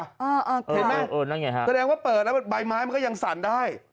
เห็นไหมแสดงว่าเปิดแล้วใบไม้มันก็ยังสั่นได้